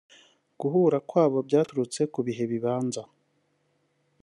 Guhura kwabo byaturutse ku bihe bibanza